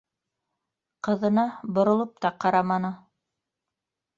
Ҡыҙына боролоп та ҡараманы.